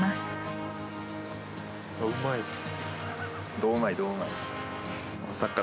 うまいです。